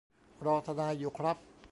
รอทนายอยู่ครับ